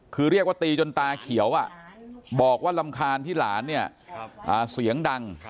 คือเรียกว่าตีจนตาเขียวบอกว่ารำคาญที่หลานเนี่ยเสียงดัง